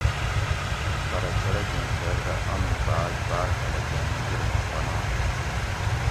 پرہ څڑکیں تھیر دہ امی بھاۤگ باۤر خلکیں نظر ما پناہ تھُو